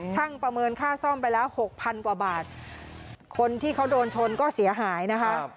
ประเมินค่าซ่อมไปแล้วหกพันกว่าบาทคนที่เขาโดนชนก็เสียหายนะคะ